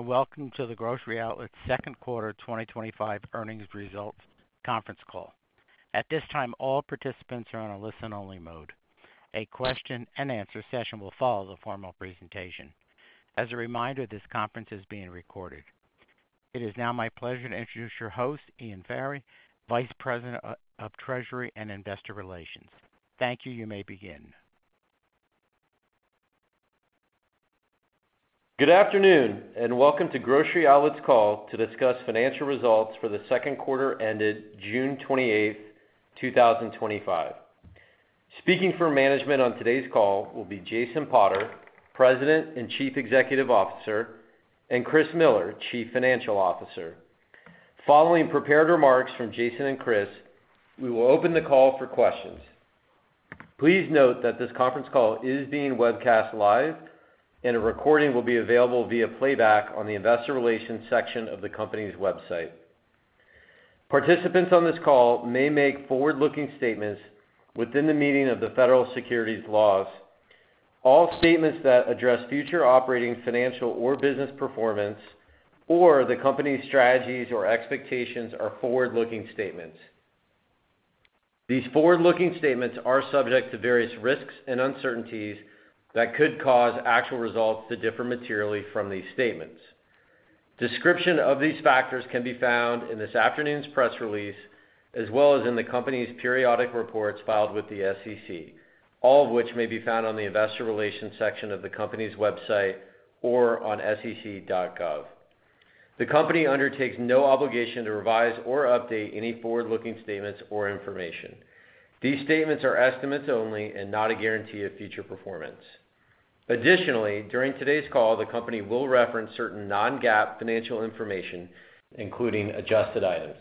Welcome to the Grocery Outlet Second Quarter 2025 Earnings Results Conference Call. At this time, all participants are on a listen-only mode. A question and answer session will follow the formal presentation. As a reminder, this conference is being recorded. It is now my pleasure to introduce your host, Ian Ferry, Vice President of Treasury and Investor Relations. Thank you. You may begin. Good afternoon and welcome to Grocery Outlet's call to discuss financial results for the second quarter ended June 28, 2025. Speaking for management on today's call will be Jason Potter, President and Chief Executive Officer, and Chris Miller, Chief Financial Officer. Following prepared remarks from Jason and Chris, we will open the call for questions. Please note that this conference call is being webcast live and a recording will be available via playback on the Investor Relations section of the Company's website. Participants on this call may make forward-looking statements within the meaning of the Federal Securities Laws. All statements that address future operating, financial, or business performance, or the Company's strategies or expectations, are forward-looking statements. These forward-looking statements are subject to various risks and uncertainties that could cause actual results to differ materially from these statements. Description of these factors can be found in this afternoon's press release as well as in the Company's periodic reports filed with the SEC, all of which may be found on the Investor Relations section of the Company's website or on sec.gov. The Company undertakes no obligation to revise or update any forward-looking statements or information. These statements are estimates only and not a guarantee of future performance. Additionally, during today's call, the Company will reference certain non-GAAP financial information, including adjusted items.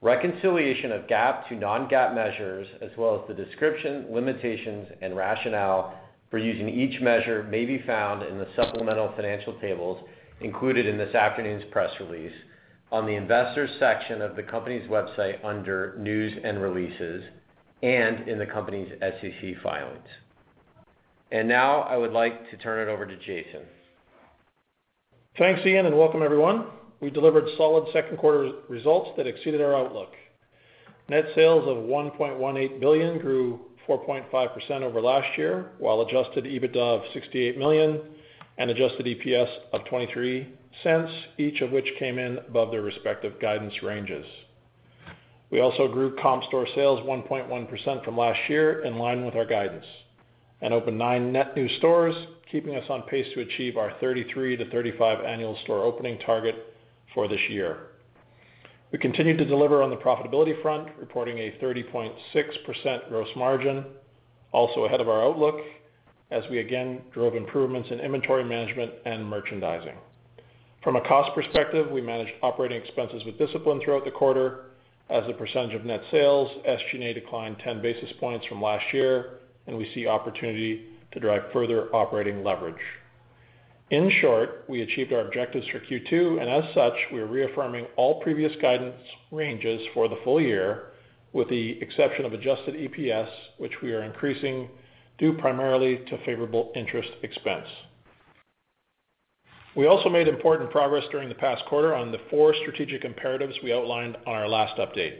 Reconciliation of GAAP to non-GAAP measures, as well as the description, limitations, and rationale for using each measure, may be found in the Supplemental Financial Tables included in this afternoon's press release on the Investors section of the Company's website under News and Releases and in the Company's SEC filings. Now I would like to turn. It over to Jason. Thanks Ian and welcome everyone. We delivered solid second quarter results that exceeded our outlook. Net sales of $1.18 billion grew 4.5% over last year while adjusted EBITDA of $68 million and adjusted EPS of $0.23, each of which came in above their respective guidance ranges. We also grew comp store sales 1.1% from last year in line with our guidance and opened nine net new stores, keeping us on pace to achieve our 33 to 35 annual store opening target for this year. We continued to deliver on the profitability front, reporting a 30.6% gross margin, also ahead of our outlook as we again drove improvements in inventory management and merchandising. From a cost perspective, we managed operating expenses with discipline throughout the quarter. As a percentage of net sales, SG&A declined 10 basis points from last year and we see opportunity to drive further operating leverage. In short, we achieved our objectives for Q2 and as such we are reaffirming all previous guidance ranges for the full year with the exception of adjusted EPS, which we are increasing due primarily to favorable interest expense. We also made important progress during the past quarter on the four strategic imperatives we outlined on our last update: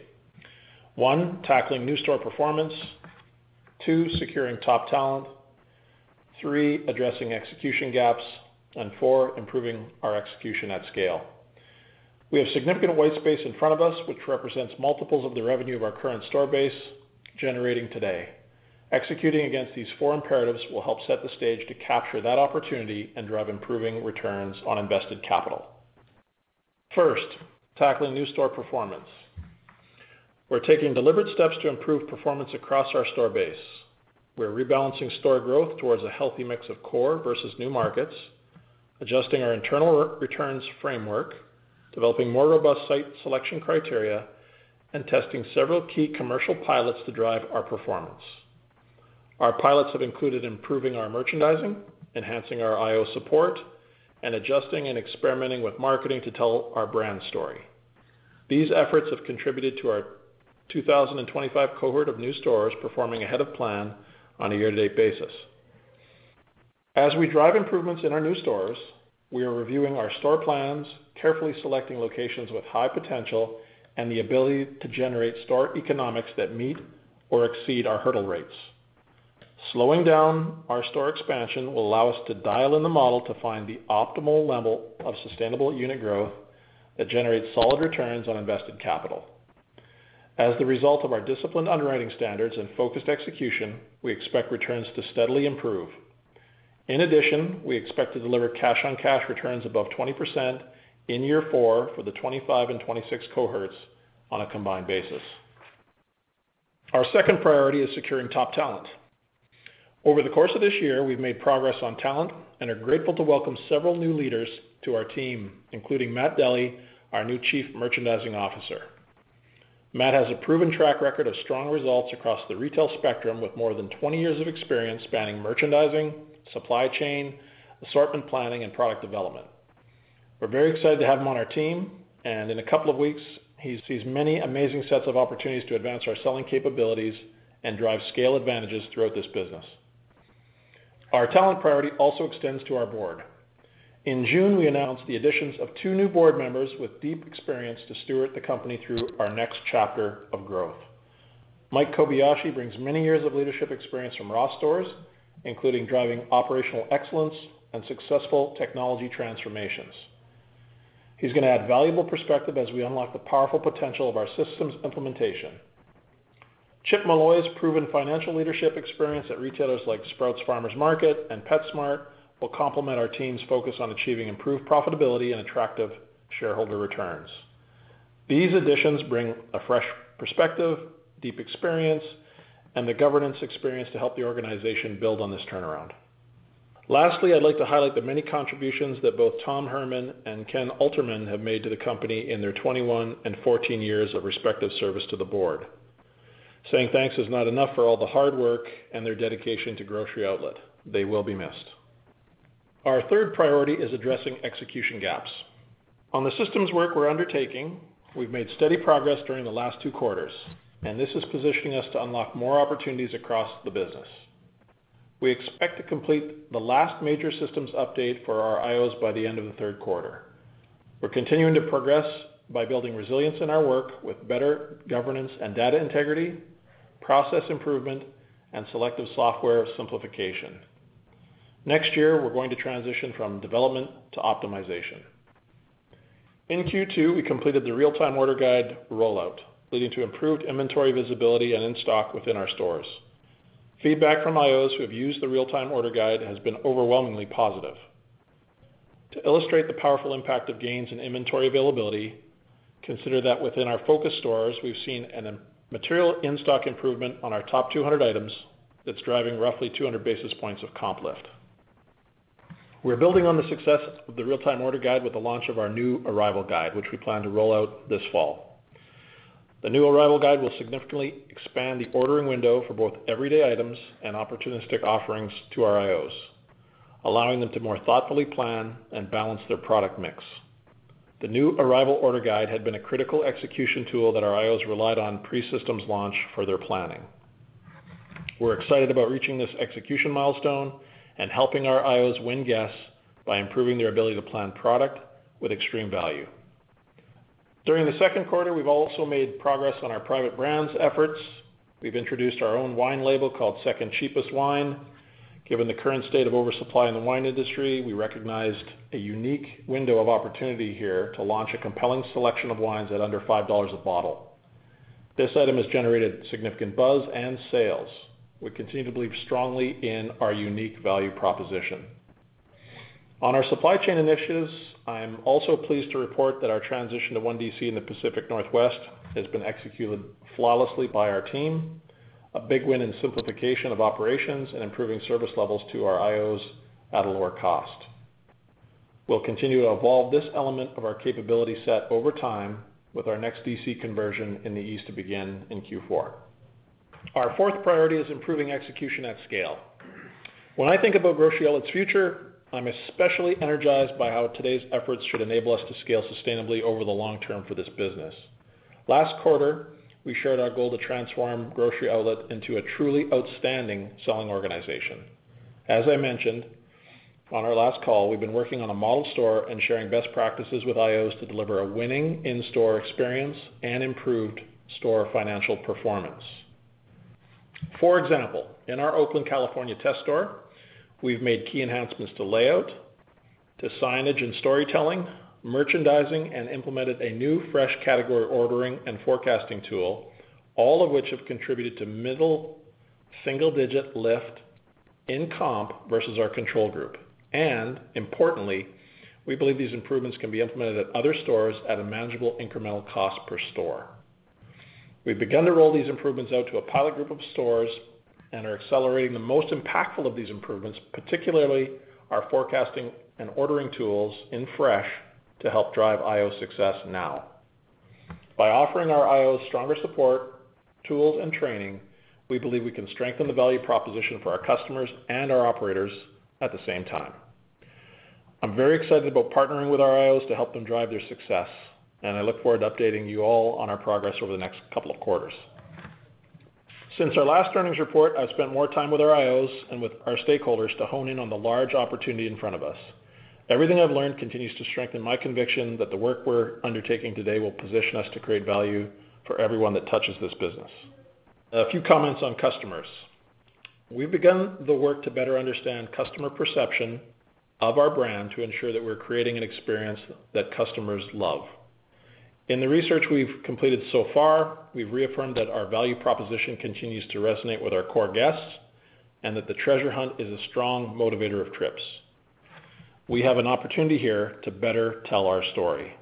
one tackling new store performance, two securing top talent, three addressing execution gaps, and four improving our execution at scale. We have significant white space in front of us, which represents multiples of the revenue of our current store base generating today. Executing against these four imperatives will help set the stage to capture that opportunity and drive improving returns on invested capital. First, tackling new store performance, we're taking deliberate steps to improve performance across our store base. We're rebalancing store growth towards a healthy mix of core versus new markets, adjusting our internal returns framework, developing more robust site selection criteria, and testing several key commercial pilots to drive our performance. Our pilots have included improving our merchandising, enhancing our IO support, and adjusting and experimenting with marketing to tell our brand story. These efforts have contributed to our 2025 cohort of new stores performing ahead of plan on a year-to-date basis. As we drive improvements in our new stores, we are reviewing our store plans carefully, selecting locations with high potential and the ability to generate store economics that meet or exceed our hurdle rates. Slowing down our store expansion will allow us to dial in the model to find the optimal level of sustainable unit growth that generates solid returns on invested capital. As the result of our disciplined underwriting standards and focused execution, we expect returns to steadily improve. In addition, we expect to deliver cash on cash returns above 20% in year four for the 2025 and 2026 cohorts on a combined basis. Our second priority is securing top talent. Over the course of this year, we've made progress on talent and are grateful to welcome several new leaders to our team, including Matt Delly, our new Chief Merchandising Officer. Matt has a proven track record of strong results across the retail spectrum. With more than 20 years of experience spanning merchandising, supply chain, assortment planning, and product development, we're very excited to have him on our team. In a couple of weeks, he sees many amazing sets of opportunities to advance our selling capabilities and drive scale advantages throughout this business. Our talent priority also extends to our board. In June, we announced the additions of two new board members with deep experience to steward the company through our next chapter of growth. Mike Kobayashi brings many years of leadership experience from Ross Stores, including driving operational excellence and successful technology transformations. He is going to add valuable perspective as we unlock the powerful potential of our systems implementation. Chip Malloy's proven financial leadership experience at retailers like Sprouts Farmers Market and PetSmart will complement our team's focus on achieving improved profitability and attractive shareholder returns. These additions bring a fresh perspective, deep experience, and the governance experience to help the organization build on this turnaround. Lastly, I'd like to highlight the many contributions that both Tom Herman and Ken Alterman have made to the company in their 21 and 14 years of respective service to the board. Saying thanks is not enough for all the hard work and their dedication to Grocery Outlet, they will be missed. Our third priority is addressing execution gaps on the systems work we're undertaking. We've made steady progress during the last two quarters and this is positioning us to unlock more opportunities across the business. We expect to complete the last major systems update for our IOs by the end of the third quarter. We're continuing to progress by building resilience in our work with better governance and data integrity, process improvement, and selective software simplification. Next year we're going to transition from development to optimization. In Q2, we completed the Real Time Order Guide rollout, leading to improved inventory visibility and in stock within our stores. Feedback from independent operators who have used the Real Time Order Guide has been overwhelmingly positive to illustrate the powerful impact of gains in inventory availability. Consider that within our focus stores we've seen a material in stock improvement on our top 200 items that's driving roughly 200 basis points of comp lift. We're building on the success of the Real Time Order Guide with the launch of our new Arrival Guide, which we plan to roll out this fall. The new Arrival Guide will significantly expand the ordering window for both everyday items and opportunistic offerings to our independent operators, allowing them to more thoughtfully plan and balance their product mix. The new Arrival Order Guide had been a critical execution tool that our independent operators relied on pre-systems launch for their planning. We're excited about reaching this execution milestone and helping our independent operators win guests by improving their ability to plan product with extreme value. During the second quarter, we've also made progress on our private brands efforts. We've introduced our own wine label called Second Cheapest Wine. Given the current state of oversupply in the wine industry, we recognized a unique window of opportunity here to launch a compelling selection of wines. At under $5 a bottle, this item has generated significant buzz and sales. We continue to believe strongly in our unique value proposition. On our supply chain initiatives, I'm also pleased to report that our transition to one DC in the Pacific Northwest has been executed flawlessly by our team, a big win in simplification of operations and improving service levels to our independent operators at a lower cost. We'll continue to evolve this element of our capability set over time with our next DC conversion in the east to begin in Q4. Our fourth priority is improving execution at scale. When I think about Grocery Outlet's future, I'm especially energized by how today's efforts should enable us to scale sustainably over the long term for this business. Last quarter we shared our goal to transform Grocery Outlet into a truly outstanding selling organization. As I mentioned on our last call, we've been working on a model store and sharing best practices with IOs to deliver a winning in-store experience and improved store financial performance. For example, in our Oakland, California test store, we've made key enhancements to layout, signage, and storytelling merchandising and implemented a new fresh category ordering and forecasting tool, all of which have contributed to middle single-digit lift in comp versus our control group. Importantly, we believe these improvements can be implemented at other stores at a manageable incremental cost per store. We've begun to roll these improvements out to a pilot group of stores and are accelerating the most impactful of these improvements, particularly our forecasting and ordering tools in fresh to help drive IO success. By offering our IOs stronger support tools and training, we believe we can strengthen the value proposition for our customers and our operators. At the same time, I'm very excited about partnering with our IOs to help them drive their success, and I look forward to updating you all on our progress over the next couple of quarters. Since our last earnings report, I've spent more time with our IOs and with our stakeholders to hone in on the large opportunity in front of us. Everything I've learned continues to strengthen my conviction that the work we're undertaking today will position us to create value for everyone that touches this business. A few comments on customers. We've begun the work to better understand customer perception of our brand to ensure that we're creating an experience that customers love. In the research we've completed so far, we've reaffirmed that our value proposition continues to resonate with our core guests and that the treasure hunt is a strong motivator of trips. We have an opportunity here to better tell our story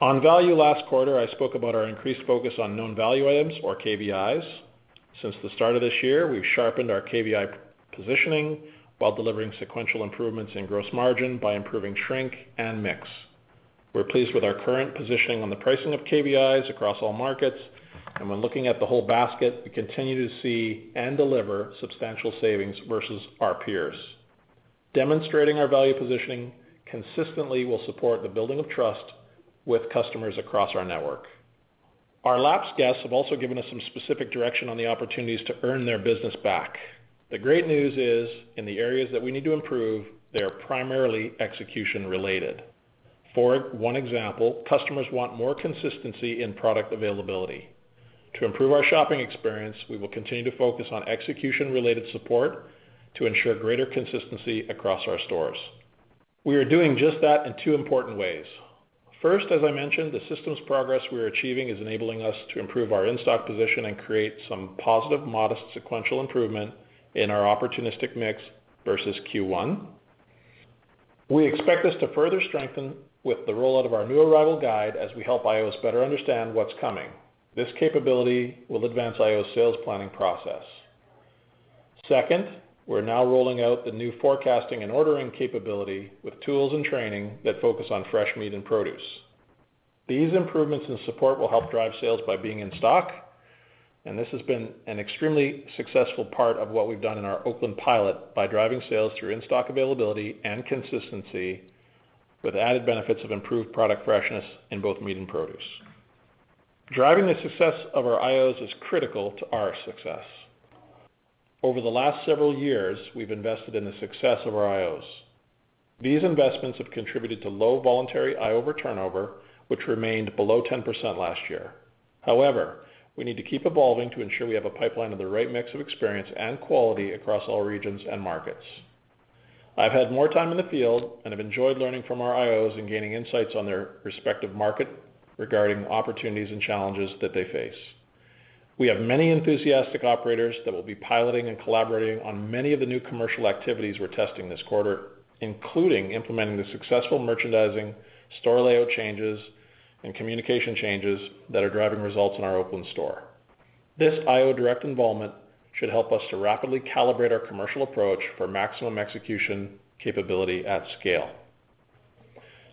on value. Last quarter I spoke about our increased focus on Known Value Items or KVIs. Since the start of this year, we've sharpened our KVI positioning while delivering sequential improvements in gross margin by improving shrink and mix. We're pleased with our current positioning on the pricing of KVIs across all markets, and when looking at the whole basket, we continue to see and deliver substantial savings versus our peers. Demonstrating our value positioning consistently will support the building of trust with customers across our network. Our LAPS guests have also given us some specific direction on the opportunities to earn their business back. The great news is in the areas that we need to improve they are primarily execution related. For one example, customers want more consistency in product availability to improve our shopping experience. We will continue to focus on execution related support to ensure greater consistency across our stores. We are doing just that in two important ways. First, as I mentioned, the systems progress we are achieving is enabling us to improve our in stock position and create some positive modest sequential improvement in our opportunistic mix versus Q1. We expect this to further strengthen with the rollout of our new Arrival Guide as we help independent operators better understand what's coming. This capability will advance independent operators' sales planning process. Second, we're now rolling out the new forecasting and ordering capability with tools and training that focus on fresh meat and produce. These improvements and support will help drive sales by being in stock and this has been an extremely successful part of what we've done in our Oakland, California pilot by driving sales through in stock availability and consistency with added benefits of improved product freshness in both meat and produce. Driving the success of our independent operators is critical to our success. Over the last several years we've invested in the success of our independent operators. These investments have contributed to low voluntary independent operator turnover which remained below 10% last year. However, we need to keep evolving to ensure we have a pipeline of the right mix of experience and quality across all regions and markets. I've had more time in the field and have enjoyed learning from our independent operators and gaining insights on their respective market regarding opportunities and challenges that they face. We have many enthusiastic operators that will be piloting and collaborating on many of the new commercial activities we're testing this quarter, including implementing the successful merchandising store layout changes and communication changes that are driving results in our Oakland, California store. This independent operator direct involvement should help us to rapidly calibrate our commercial approach for maximum execution capability at scale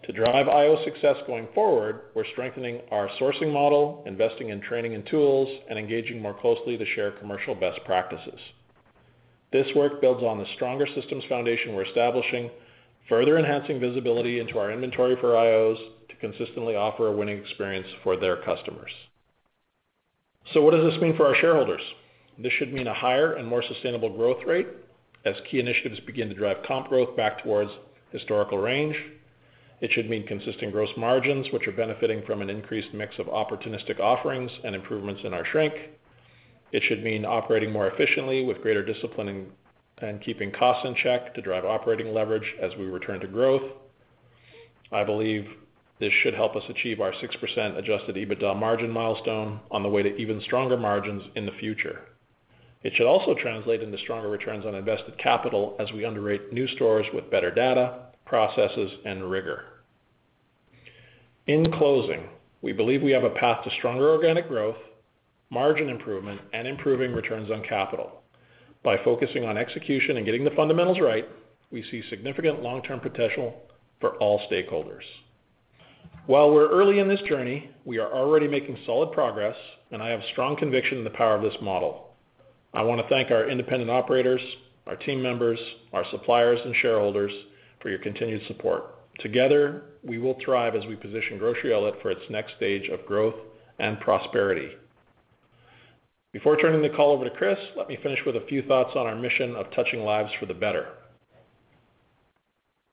to drive independent operator success going forward, we're strengthening our sourcing model, investing in training and tools and engaging more closely to share commercial best practices. This work builds on the stronger systems foundation we're establishing, further enhancing visibility into our inventory for IOs to consistently offer a winning experience for their customers. What does this mean for our shareholders? This should mean a higher and more sustainable growth rate as key initiatives begin to drive comp growth back towards historical range. It should mean consistent gross margins which are benefiting from an increased mix of opportunistic offerings and improvements in our shrink. It should mean operating more efficiently with greater discipline and keeping costs in check to drive operating leverage as we return to growth. I believe this should help us achieve our 6% adjusted EBITDA margin milestone on the way to even stronger margins in the future. It should also translate into stronger returns on invested capital as we underwrite new stores with better data processes and rigor. In closing, we believe we have a path to stronger organic growth, margin improvement, and improving returns on capital. By focusing on execution and getting the fundamentals right, we see significant long term potential for all stakeholders. While we're early in this journey, we are already making solid progress and I have strong conviction in the power of this model. I want to thank our independent operators, our team members, our suppliers, and shareholders for your continued support. Together we will thrive as we position Grocery Outlet for its next stage of growth and prosperity. Before turning the call over to Chris, let me finish with a few thoughts on our mission of touching lives for the better.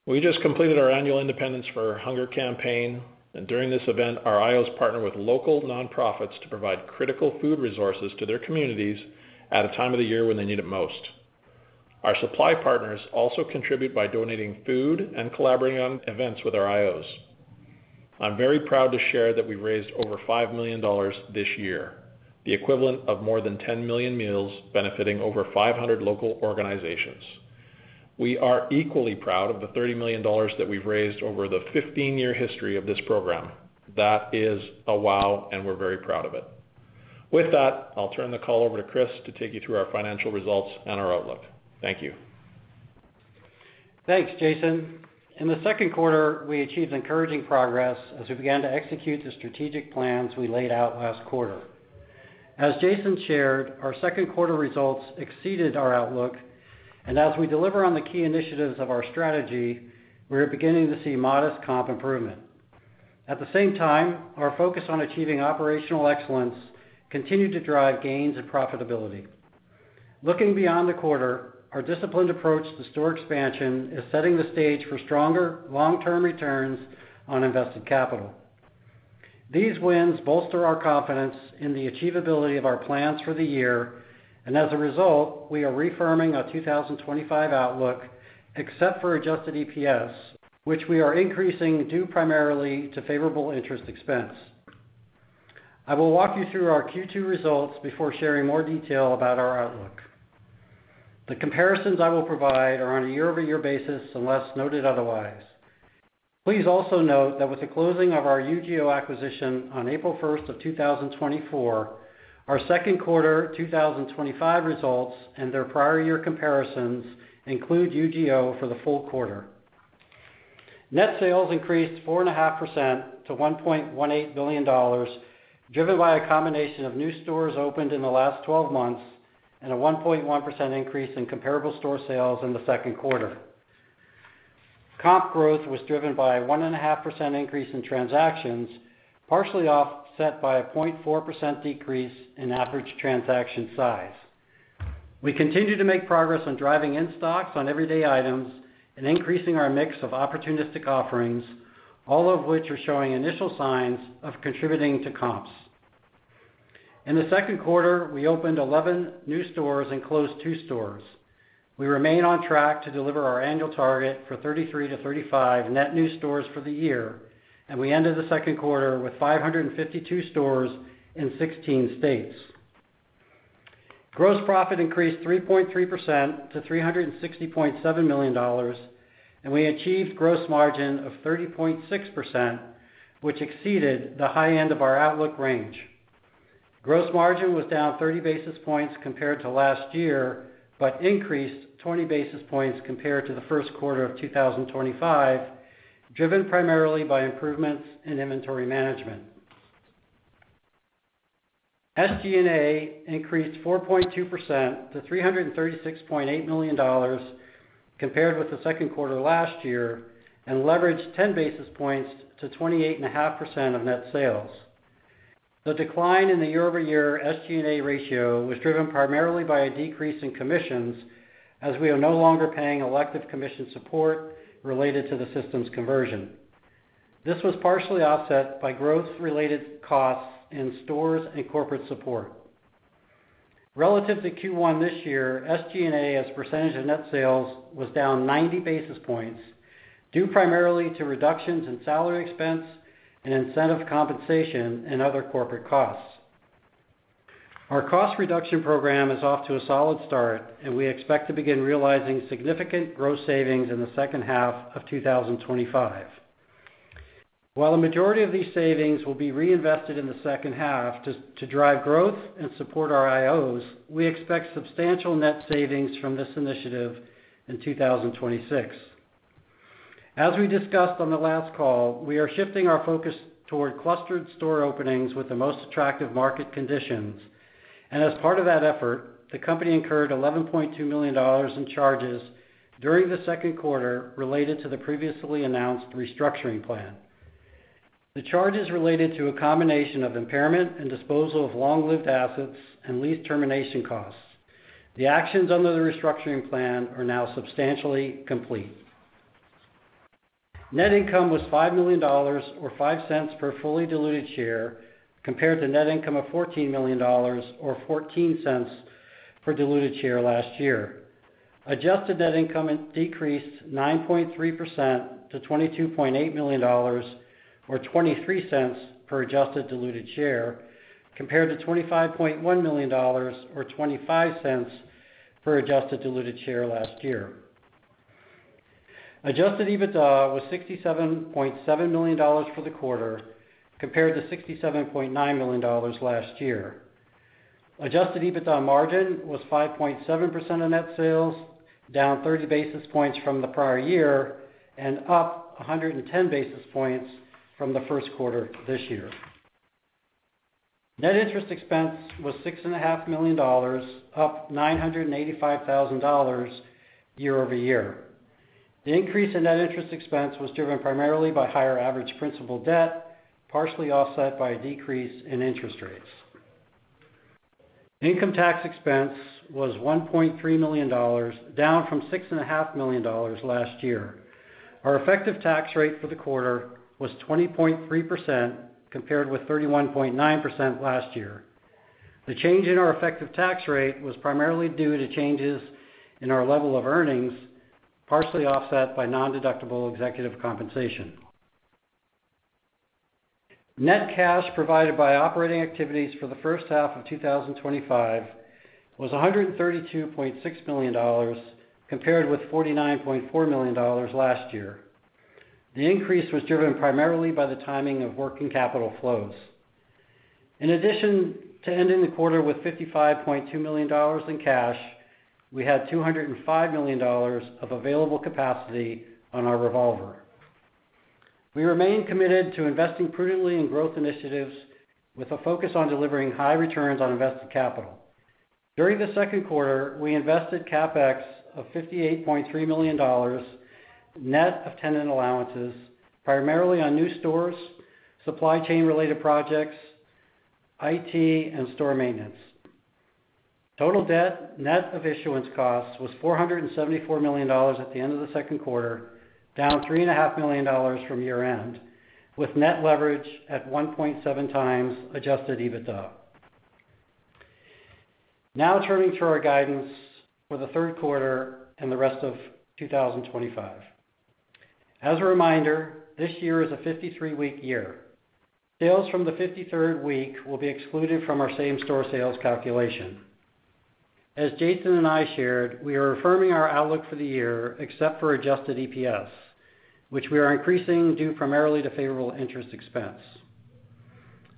We just completed our annual Independence from Hunger campaign and during this event our IOs partner with local nonprofits to provide critical food resources to their communities at a time of the year when they need it most. Our supply partners also contribute by donating food and collaborating on events with our IOs. I'm very proud to share that we raised over $5 million this year, the equivalent of more than 10 million meals, benefiting over 500 local organizations. We are equally proud of the $30 million that we've raised over the 15 year history of this program. That is a wow and we're very proud of it. With that, I'll turn the call over to Chris to take you through our financial results and our outlook. Thank you. Thanks Jason. In the second quarter we achieved encouraging progress as we began to execute the strategic plans we laid out last quarter. As Jason shared, our second quarter results exceeded our outlook and as we deliver on the key initiatives of our strategy, we are beginning to see modest comp improvement. At the same time, our focus on achieving operational excellence continues to drive gains in profitability. Looking beyond the quarter, our disciplined approach to store expansion is setting the stage for stronger long term returns on invested capital. These wins bolster our confidence in the achievability of our plans for the year and as a result we are reaffirming our 2025 outlook except for adjusted EPS which we are increasing due primarily to favorable interest expense. I will walk you through our Q2 results before sharing more detail about our outlook. The comparisons I will provide are on a year-over-year basis unless noted otherwise. Please also note that with the closing of our UGO acquisition on April 1, 2024, our second quarter 2025 results and their prior year comparisons include UGO. For the full quarter, net sales increased 4.5% to $1.18 billion, driven by a combination of new stores opened in the last 12 months and a 1.1% increase in comparable store sales. In the second quarter, comp growth was driven by a 1.5% increase in transactions, partially offset by a 0.4% decrease in average transaction size. We continue to make progress on driving in stocks on everyday items and increasing our mix of opportunistic offerings, all of which are showing initial signs of contributing to comps. In the second quarter we opened 11 new stores and closed two stores. We remain on track to deliver our annual target for 33-35 net new stores for the year and we ended the second quarter with 552 stores in 16 states. Gross profit increased 3.3% to $360.7 million and we achieved gross margin of 30.6% which exceeded the high end of our outlook range. Gross margin was down 30 basis points compared to last year, but increased 20 basis points compared to the first quarter of 2025, driven primarily by improvements in inventory management. SG&A increased 4.2% to $336.8 million compared with the second quarter last year and leveraged 10 basis points to 28.5% of net sales. The decline in the year-over-year SG&A ratio was driven primarily by a decrease in commissions as we are no longer paying elective commission support related to the system's conversion. This was partially offset by growth related costs in stores and corporate support relative to Q1. This year, SG&A as a percentage of net sales was down 90 basis points due primarily to reductions in salary expense and incentive compensation and other corporate costs. Our cost reduction program is off to a solid start and we expect to begin realizing significant gross savings in the second half of 2025. While a majority of these savings will be reinvested in the second half to drive growth and support our IOs, we expect substantial net savings from this initiative in 2026. As we discussed on the last call, we are shifting our focus toward clustered store openings with the most attractive market conditions and as part of that effort, the company incurred $11.2 million in charges during the second quarter related to the previously announced restructuring plan. The charge is related to a combination of impairment and disposal of long-lived assets and lease termination costs. The actions under the restructuring plan are now substantially complete. Net income was $5 million or $0.05 per fully diluted share compared to net income of $14 million or $0.14 per diluted share last year. Adjusted net income decreased 9.3% to $22.8 million or $0.23 per adjusted diluted share compared to $25.1 million or $0.25 per adjusted diluted share last year. Adjusted EBITDA was $67.7 million for the quarter compared to $67.9 million last year. Adjusted EBITDA margin was 5.7% of net sales, down 30 basis points from the prior year and up 110 basis points from the first quarter this year. Net interest expense was $6.5 million, up $985,000 year-over-year. The increase in net interest expense was driven primarily by higher average principal debt, partially offset by a decrease in interest rates. Income tax expense was $1.3 million, down from $6.5 million last year. Our effective tax rate for the quarter was 20.3% compared with 31.9% last year. The change in our effective tax rate was primarily due to changes in our level of earnings, partially offset by non-deductible executive compensation. Net cash provided by operating activities for the first half of 2025 was $132.6 million compared with $49.4 million last year. The increase was driven primarily by the timing of working capital flows. In addition to ending the quarter with $55.2 million in cash, we had $205 million of available capacity on our revolver. We remain committed to investing prudently in growth initiatives with a focus on delivering high returns on invested capital. During the second quarter, we invested CapEx of $58.3 million net of tenant allowances primarily on new stores, supply chain related projects, IT, and store maintenance. Total debt net of issuance costs was $474 million at the end of the second quarter, down $3.5 million from year end with net leverage at 1.7 times adjusted EBITDA. Now turning to our guidance for the third quarter and the rest of 2025, as a reminder, this year is a 53-week year. Sales from the 53rd week will be excluded from our same store sales calculation. As Jason and I shared, we are affirming our outlook for the year. Except for adjusted EPS, which we are increasing due primarily to favorable interest expense,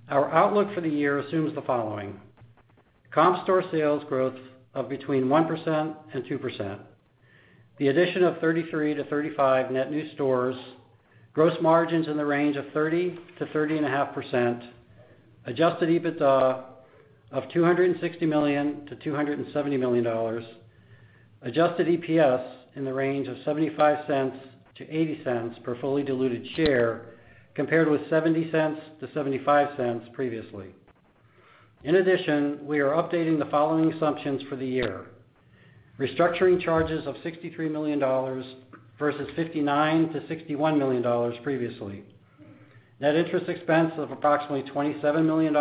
our outlook for the year assumes the comp store sales growth of between 1% and 2%, the addition of 33-35 net new stores, gross margins in the range of 30%-30.5%, adjusted EBITDA of $260 million-$270 million, adjusted EPS in the range of $0.75-$0.80 per fully diluted share compared with $0.70-$0.75 previously. In addition, we are updating the following assumptions for the year. Restructuring charges of $63 million versus $59 million-$61 million previously. Net interest expense of approximately $27 million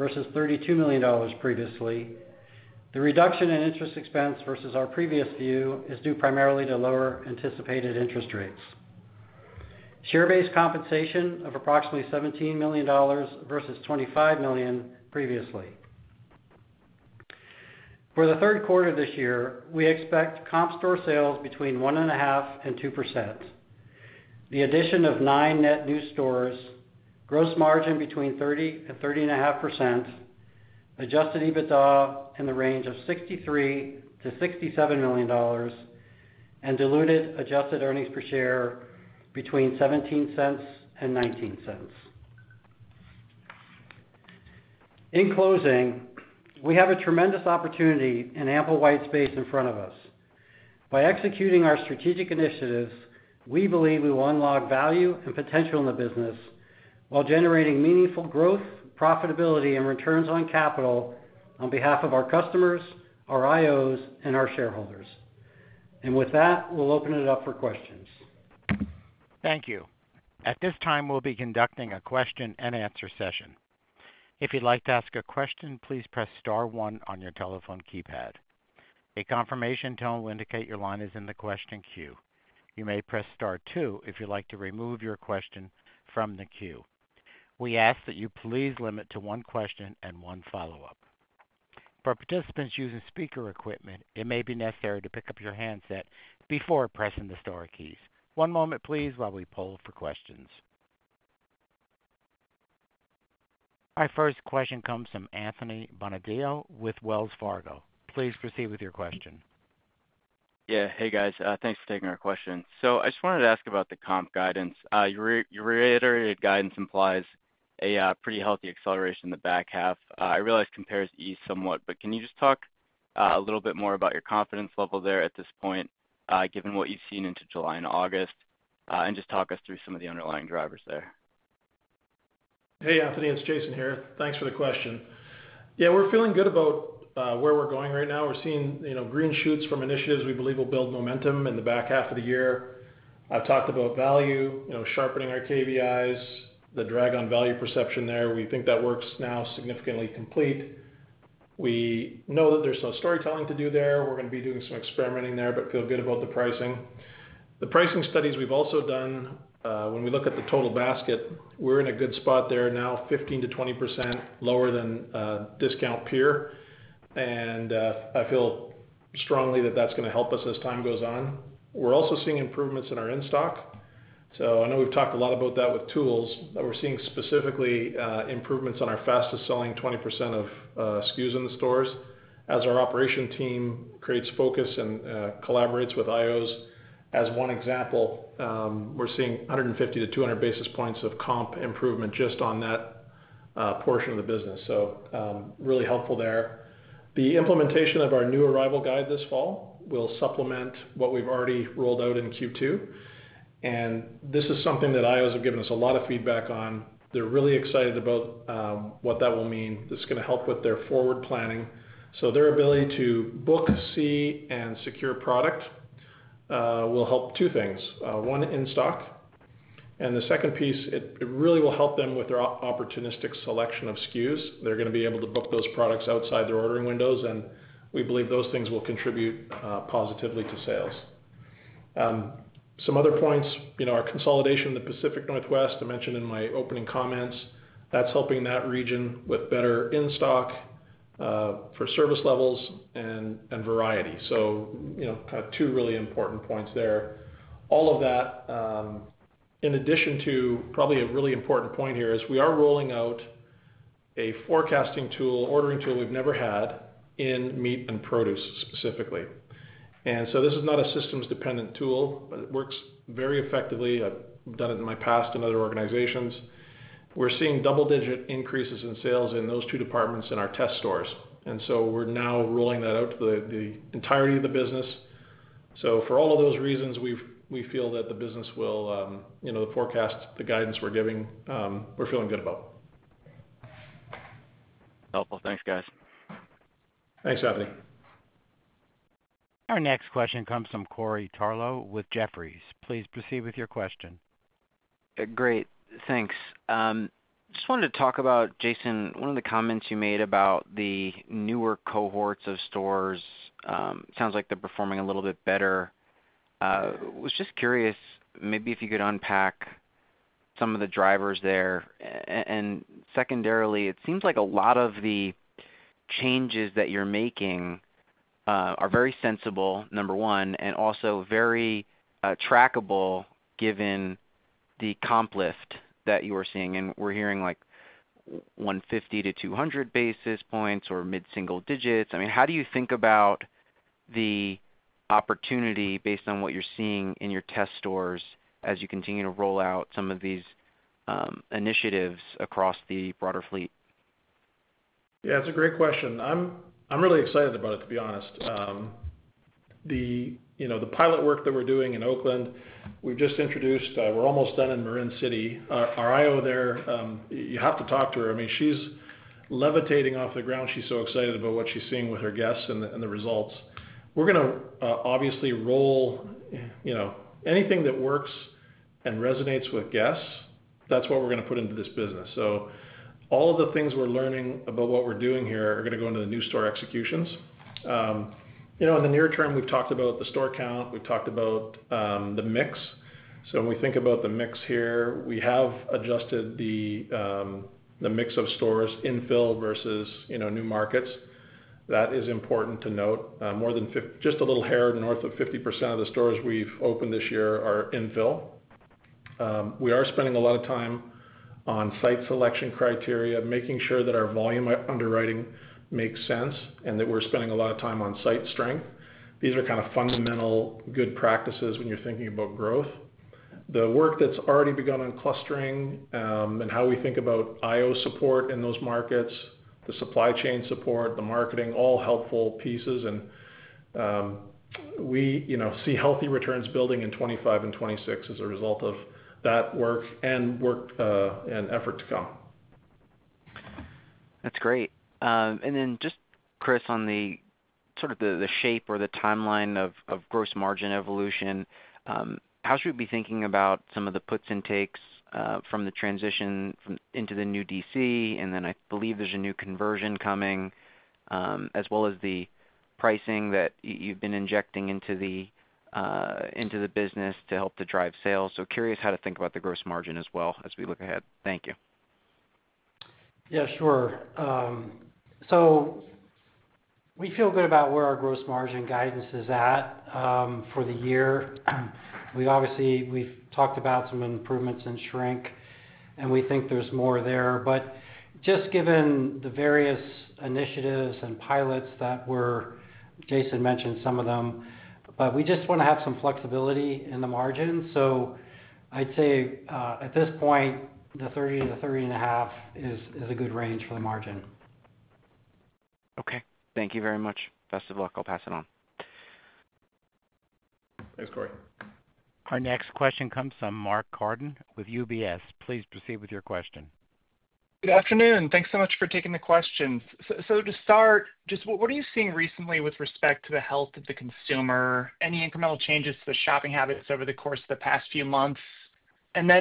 versus $32 million previously. The reduction in interest expense versus our previous view is due primarily to lower anticipated interest rates. Share-based compensation of approximately $17 million versus $25 million previously. For the third quarter this year, we expect comp store sales between 1.5% and 2%, the addition of nine net new stores, gross margin between 30% and 30.5%, adjusted EBITDA in the range of $63 million to $67 million, and diluted adjusted earnings per share between $0.17 and $0.19. In closing, we have a tremendous opportunity and ample white space in front of us. By executing our strategic initiatives, we believe we will unlock value and potential in the business while generating meaningful growth, profitability, and returns on capital on behalf of our customers, our IOs, and our shareholders. With that, we'll open it up for questions. Thank you. At this time, we'll be conducting a question and answer session. If you'd like to ask a question, please press *1 on your telephone keypad. A confirmation tone will indicate your line is in the question queue. You may press *2 if you'd like to remove your question from the queue. We ask that you please limit to one question and one follow-up. For participants using speaker equipment, it may be necessary to pick up your handset before pressing the star keys. One moment, please, while we poll for questions. Our first question comes from Anthony Bonadio with Wells Fargo Securities. Please proceed with your question. Yeah, hey guys, thanks for taking our question. I just wanted to ask about the comp guidance you reiterated. Guidance implies a pretty healthy acceleration in the back half. I realize compares ease somewhat, but can you just talk a little bit more about your confidence level there at this point given what you've seen into July and August, and just talk us through some of the underlying drivers there. Hey Anthony, it's Jason here. Thanks for the question. Yeah, we're feeling good about where we're going right now. We're seeing green shoots from initiatives we believe will build momentum in the back half of the year. I've talked about value, sharpening our KVIs, the drag on value perception there. We think that work's now significantly complete. We know that there's some storytelling to do there. We're going to be doing some experimenting there, but feel good about the pricing. The pricing studies we've also done, when we look at the total basket, we're in a good spot there now, 15%-20% lower than discount peer and I feel strongly that that's going to help us as time goes on. We're also seeing improvements in our in stock, so I know we've talked a lot about that with tools. We're seeing specifically improvements on our fastest selling 20% of SKUs in the stores as our operation team creates focus and collaborates with IOs. As one example, we're seeing 150-200 basis points of comp improvement just on that portion of the business. Really helpful there. The implementation of our new Arrival Guide this fall will supplement what we've already rolled out in Q2 and this is something that IOs have given us a lot of feedback on. They're really excited about what that will mean. This is going to help with their forward planning. Their ability to book, see and secure product will help two things, one in stock and the second piece it really will help them with their opportunistic selection of SKUs. They're going to be able to book those products outside their ordering windows and we believe those things will contribute positively to sales. Some other points, our consolidation in the Pacific Northwest I mentioned in my opening comments, that's helping that region with better in stock for service levels and variety. Two really important points there. All of that in addition to probably a really important point here is we are rolling out a forecasting tool, ordering tool we've never had in meat and produce specifically. This is not a systems dependent tool but it works very effectively. I've done it in my past in other organizations. We're seeing double digit increases in sales in those two departments in our test stores. We're now rolling that out to the entirety of the business. For all of those reasons, we feel that the business will, the forecast, the guidance we're giving, we're feeling good about. Helpful. Thanks guys. Thanks, Anthony. Our next question comes from Corey Tarlowe with Jefferies. Please proceed with your question. Great. Thanks. Just wanted to talk about Jason, one of the comments you made about the newer cohorts of stores. Sounds like they're performing a little bit better. Was just curious maybe if you could unpack some of the drivers there. Secondarily, it seems like a lot of the changes that you're making are very sensible, number one, and also very trackable given the comp lift that you are seeing. We're hearing like 150-200 basis points or mid single digits. How do you think about the opportunity based on what you're seeing in your test stores as you continue to roll out some of these initiatives across the broader fleet? Yeah, it's a great question. I'm really excited about it, to be honest. The pilot work that we're doing in Oakland we've just introduced. We're almost done in Marin City. Our independent operator there, you have to talk to her levitating off the ground. She's so excited about what she's seeing with her guests and the results we're going to obviously roll. You know, anything that works and resonates with guests, that's what we're going to put into this business. All of the things we're learning about what we're doing here are going to go into the new store executions. In the near term, we've talked about the store count, we've talked about the mix. When we think about the mix here, we have adjusted the mix of stores, infill versus new markets. That is important to note. More than just a little hair north of 50% of the stores we've opened this year are infill. We are spending a lot of time on site selection criteria, making sure that our volume underwriting makes sense and that we're spending a lot of time on site strength. These are kind of fundamental good practices when you're thinking about growth. The work that's already begun on clustering and how we think about independent operator support in those markets, the supply chain support, the marketing, all helpful pieces. We see healthy returns building in 2025 and 2026 as a result of that work and effort to come. That's great. And then just Chris, on the sort of the shape or the timeline of gross margin evolution, how should we be thinking about some of the puts and takes from the transition into the new DC? I believe there's a new conversion coming, as well as the pricing that you've been injecting into the business to help to drive sales. Curious how to think about the gross margin as well as we look ahead. Thank you. Yeah, sure. We feel good about where our gross margin guidance is at for the year. We obviously have talked about some improvements in shrink and we think there's more there. Just given the various initiatives and pilots that Jason mentioned, we just want to have some flexibility in the margin. I'd say at this point, the 30%-30.5% is a good range for the margin. Okay, thank you very much. Best of luck. I'll pass it on. Thanks, Corey. Our next question comes from Mark Carden with UBS Investment Bank. Please proceed with your question. Good afternoon. Thanks so much for taking the question. So to start, just what are you seeing recently with respect to the health of the consumer? Any incremental changes to the shopping habits over the course of the past few months?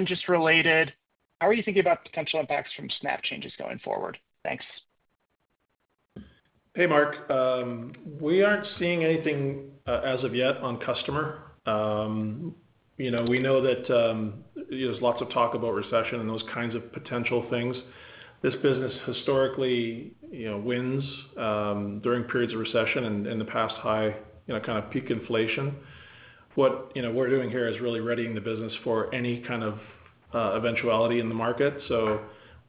Just related, how are you thinking about potential impacts from SNAP changes going forward? Thanks. Hey, Mark, we aren't seeing anything as of yet on customer. We know that there's lots of talk about recession and those kinds of potential things. This business historically wins during periods of recession and in the past, high, kind of peak inflation. What we're doing here is really readying the business for any kind of eventuality in the market.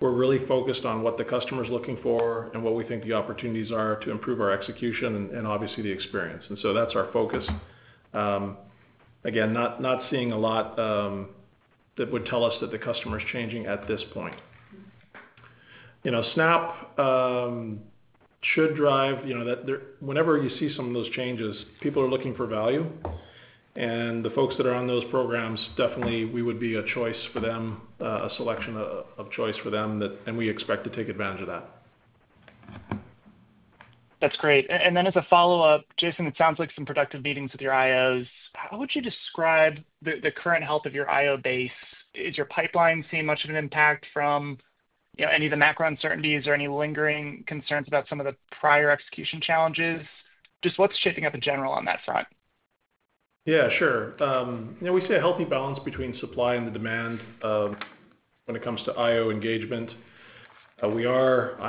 We're really focused on what the customer is looking for and what we think the opportunities are to improve our execution and obviously the experience. That's our focus. Again, not seeing a lot that would tell us that the customer is changing at this point. You know, SNAP should drive that whenever you see some of those changes, people are looking for value. The folks that are on those programs, definitely we would be a choice for them, a selection of choice for them, and we expect to take advantage of that. That's great. As a follow up, Jason, it sounds like some productive meetings with your independent operators. How would you describe the current health of your IO base? Is your pipeline seeing much of an impact from any of the macro uncertainties or any lingering concerns about some of the prior execution challenges? What's shaping up in general on that front? Yeah, sure. We see a healthy balance between supply and the demand. When it comes to IO engagement, I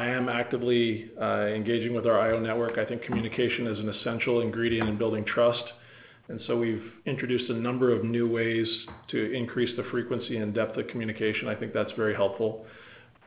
am actively engaging with our IO network. I think communication is an essential ingredient in building trust. We've introduced a number of new ways to increase the frequency and depth of communication. I think that's very helpful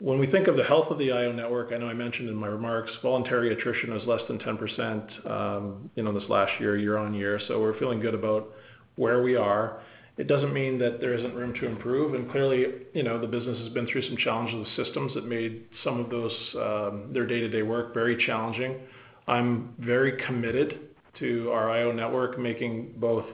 when we think of the health of the IO network. I know I mentioned in my remarks voluntary attrition is less than 10%, and this last year, year on year, so we're feeling good about where we are. It doesn't mean that there isn't room to improve. Clearly, the business has been through some challenges with systems that made some of their day-to-day work very challenging. I'm very committed to our I.O. network, making both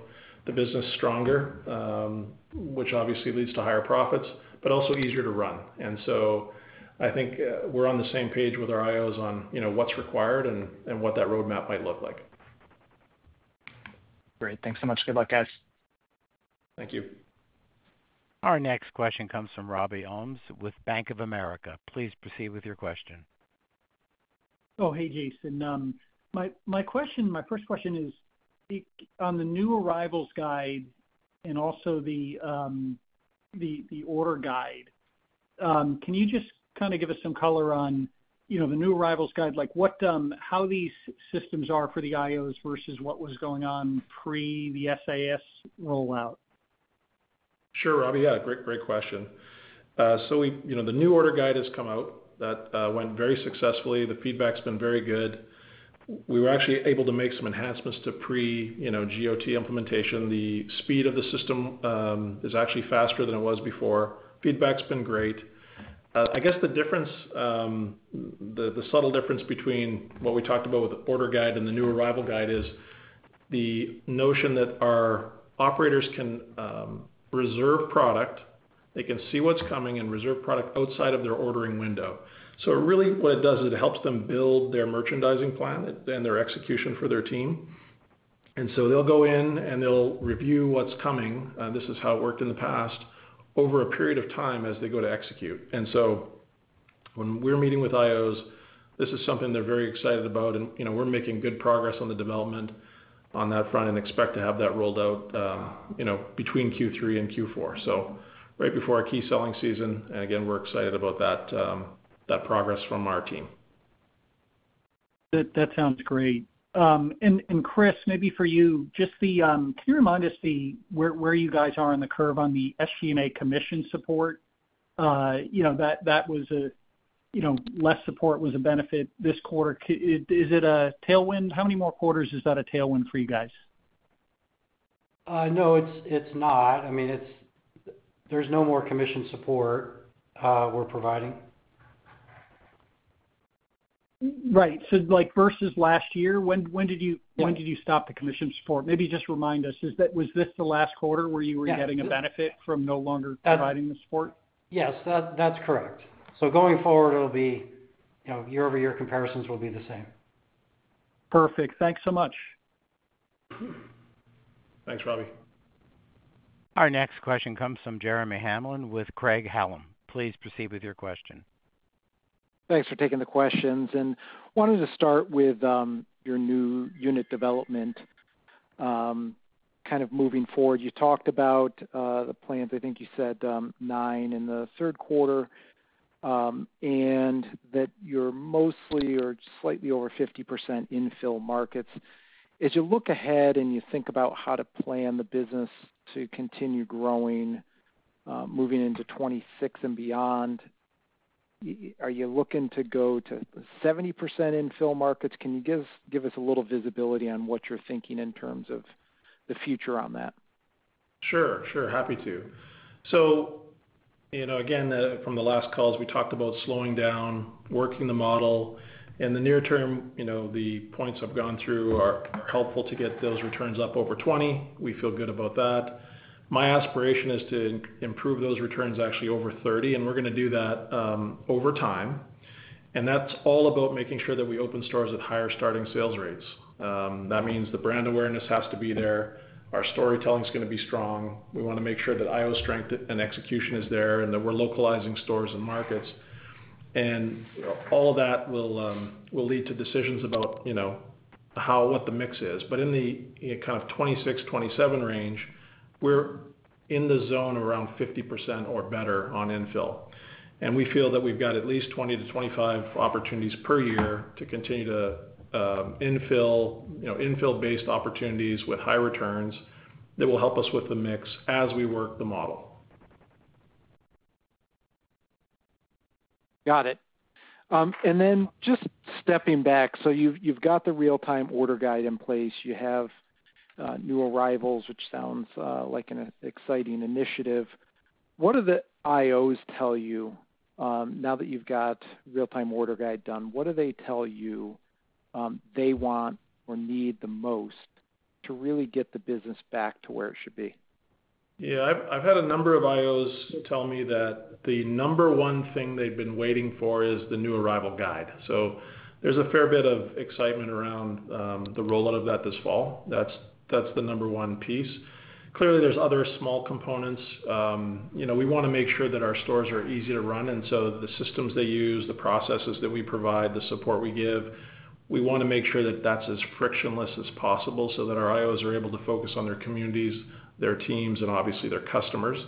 the business stronger, which obviously leads to higher profits, but also easier to run. I think we're on the same page with our IOs on what's required and what that roadmap might look like. Great, thanks so much. Good luck, guys. Thank you. Our next question comes from Robert Ohmes with Bank of America. Please proceed with your question. Oh, hey Jason, my first question is on the new Arrival Guide and also the Real Time Order Guide. Can you just kind of give us some color on, you know, the new Arrival Guide? Like what, how these systems are for the independent operators versus what was going on pre the SaaS rollout? Sure, Robbie, yeah, great, great question. The new order guide has come out; that went very successfully. The feedback's been very good. We were actually able to make some enhancements to pre-go-live implementation. The speed of the system is actually faster than it was before. Feedback's been great. I guess the difference, the subtle difference between what we talked about with the order guide and the new Arrival Guide is the notion that our operators can reserve product, they can see what's coming and reserve product outside of their ordering window. What it does is it helps them build their merchandising plan and their execution for their team. They'll go in and they'll review what's coming. This is how it worked in the past or over a period of time as they go to execute. When we're meeting with IOs, this is something they're very excited about and we're making good progress on the development on that front and expect to have that rolled out between Q3 and Q4, right before our key selling season. Again, we're excited about that progress from our team. That sounds great. Chris, maybe for you, can you remind us where you guys are on the curve on the SG&A commission support? You know that less support was a benefit this quarter. Is it a tailwind? How many more quarters is that a tailwind for you guys? No, it's not. I mean, there's no more commission support we're providing. Right. Versus last year, when did you stop the commission support? Maybe just remind us, was this the last quarter where you were getting a benefit from no longer providing the support? Yes, that's correct. Going forward, year-over-year comparisons will be the same. Perfect. Thanks so much. Thanks Robbie. Our next question comes from Jeremy Scott Hamblin with Craig-Hallum Capital Group. Please proceed with your question. Thanks for taking the questions and wanted to start with your new unit development. Kind of moving forward. You talked about the plan, I think you said nine in the third quarter and that you're mostly or slightly over 50% infill markets. As you look ahead and you think about how to plan the business to continue growing, moving into 2026 and beyond, are you looking to go to 70% infill markets? Can you give us a little visibility on what you're thinking in terms of the future on that? Sure, happy to. You know, again from the last calls, we talked about slowing down, working the model in the near term. The points I've gone through are helpful to get those returns up over 20%. We feel good about that. My aspiration is to improve those returns actually over 30%, and we're going to do that over time. That's all about making sure that we open stores at higher starting sales rates. That means the brand awareness has to be there. Our storytelling is going to be strong. We want to make sure that IO strength and execution is there and that we're localizing stores and markets. All of that will lead to decisions about how, what the mix is. But inn the kind of 2026, 2027 range, we're in the zone around 50% or better on infill, and we feel that we've got at least 20 to 25 opportunities per year to continue to infill, infill-based opportunities with high returns that will help us with the mix as we work the model. Got it. And then just stepping back, you've got the Real Time Order Guide in place, you have new arrivals, which sounds like an exciting initiative. What are the IOs tell you now that you've got Real Time Order Guide done? What do they tell you they want or need the most to really get the business back to where it should be? Yeah, I've had a number of IOs tell me that the number one thing they've been waiting for is the new Arrival Guide. There's a fair bit of excitement around the rollout of that this fall. That's the number one piece. Clearly, there's other small components. We want to make sure that our stores are easy to run, and the systems they use, the processes that we provide, the support we give, we want to make sure that that's as frictionless as possible so that our IOs are able to focus on their communities, their teams, and obviously their customers.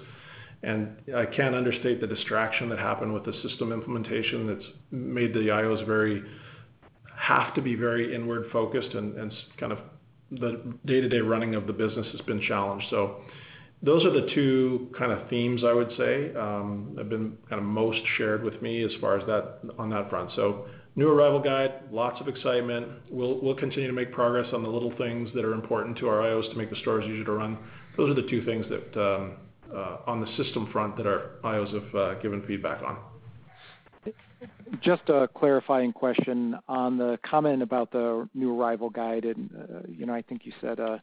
I can't understate the distraction that happened with the system implementation that's made the IOs have to be very inward focused, and the day-to-day running of the business has been challenged. Those are the two themes I would say have been most shared with me as far as that on that front. New Arrival Guide, lots of excitement. We'll continue to make progress on the little things that are important to our IOs to make the stores easier to run. Those are the two things that on the system front that our IOs have given feedback on. Just a clarifying question on the comment about the new Arrival Guide and, you know, I think you said a